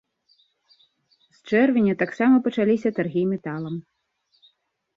З чэрвеня таксама пачаліся таргі металам.